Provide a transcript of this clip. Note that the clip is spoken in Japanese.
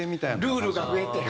ルールが増えて？